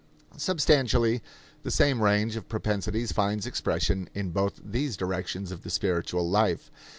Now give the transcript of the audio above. Substantially the same range of propensities finds expression in both these directions of the spiritual life.